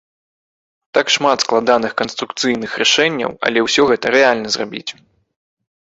Там шмат складаных канструкцыйных рашэнняў, але ўсё гэта рэальна зрабіць.